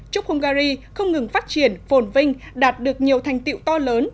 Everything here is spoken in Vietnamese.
chúc hungary không ngừng phát triển phồn vinh đạt được nhiều thành tiệu to lớn